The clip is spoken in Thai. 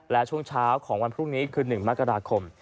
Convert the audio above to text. และช่วงเช้าของวันพรุ่งนี้คือ๑มกราคม